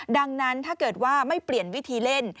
ดังนั้นถ้าเกิดว่าไม่เปลี่ยนวิธีเล่น